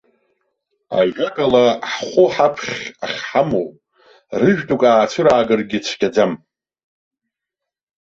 Ажәакала, ҳхәыҳаԥхь ахьҳамоу, рыжәтәык аацәыраагаргьы цәгьаӡам.